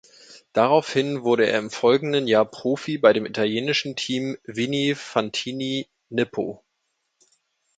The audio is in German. Daraufhin wurde er im folgenden Jahr Profi bei dem italienischen Team Vini Fantini Nippo.